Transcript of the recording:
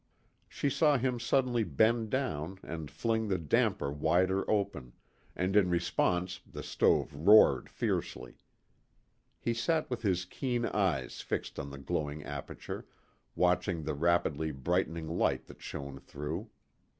She saw him suddenly bend down and fling the damper wider open, and in response the stove roared fiercely. He sat with his keen eyes fixed on the glowing aperture, watching the rapidly brightening light that shone through.